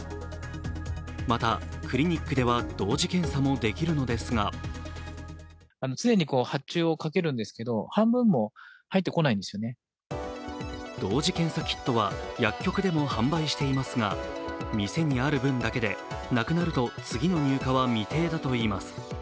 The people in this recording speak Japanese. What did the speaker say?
また、クリニックでは同時検査もできるのですが同時検査キットは薬局でも販売していますが店にある分だけでなくなると次の入荷は未定だといいます。